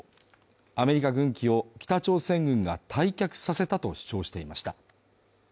アメリカ軍機を北朝鮮軍が退却させたと主張していました。